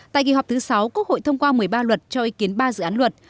tại kỳ họp thứ sáu quốc hội thông qua một mươi ba luật cho ý kiến ba dự án luật